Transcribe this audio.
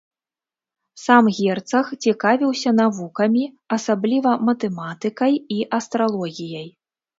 Сам герцаг цікавіўся навукамі, асабліва матэматыкай і астралогіяй.